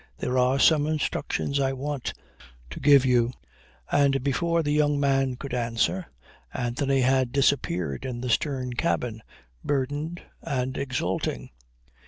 There are some instructions I want to give you." And before the young man could answer, Anthony had disappeared in the stern cabin, burdened and exulting.